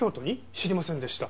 知りませんでした。